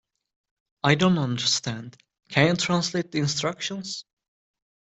I don't understand; can you translate the instructions?